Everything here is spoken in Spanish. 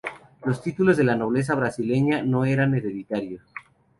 Los títulos de la nobleza brasileña no eran hereditarios.